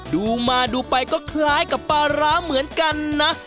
ดูมาดูไปก็คล้ายกับปลาร้าเหมือนกันนะ